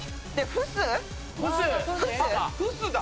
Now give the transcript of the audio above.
フスだ！